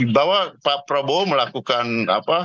di bawah pak prabowo melakukan apa